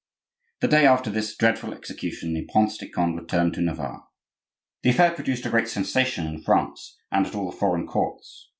The day after this dreadful execution the Prince de Conde returned to Navarre. The affair produced a great sensation in France and at all the foreign courts.